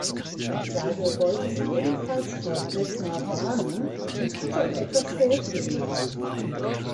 Seidel wollte sie ebenfalls vor Plessner warnen und hatte um etwas Geld gebeten.